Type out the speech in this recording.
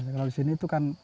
kalau di sini itu kan